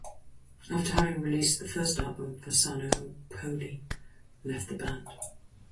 After having released the first album, Fasano and Poley left the band.